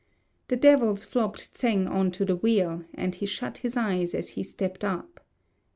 The devils flogged Tsêng on to the wheel, and he shut his eyes as he stepped up.